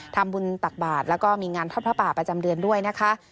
ทำบุญตักบาทแล้วก็มีงานทอดพระป่าประจำเดือนด้วยนะคะ